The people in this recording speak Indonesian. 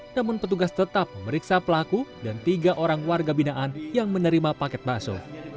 namun petugas tetap memeriksa pelaku dan tiga orang warga binaan yang menerima paket bakso